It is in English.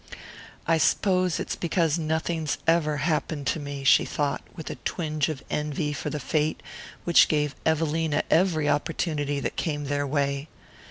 "I s'pose it's because nothing's ever happened to me," she thought, with a twinge of envy for the fate which gave Evelina every opportunity that came their way.